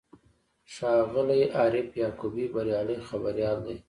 ښاغلی عارف یعقوبي بریالی خبریال دی.